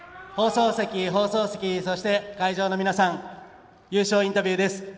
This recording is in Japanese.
放送席、そして会場の皆さん優勝インタビューです。